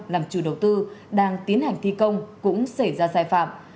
làm chủ đầu tư đang tiến hành thi công cũng xảy ra sai phạm